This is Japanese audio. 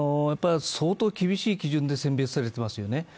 相当厳しい基準で選別されていますよね。